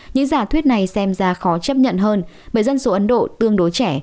những giả thuyết này xem ra khó chấp nhận hơn bởi dân số ấn độ tương đối trẻ